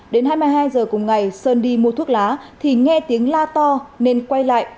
đến hai mươi hai giờ cùng ngày sơn đi mua thuốc lá thì nghe tiếng la to nên quay lại